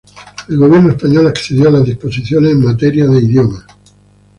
El gobierno español accedió a las disposiciones en materia de idiomas.